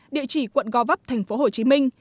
địa chỉ quận go vấp tp hcm